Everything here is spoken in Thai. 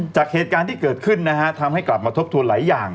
จากเหตุการณ์ที่เกิดขึ้นนะฮะทำให้กลับมาทบทวนหลายอย่าง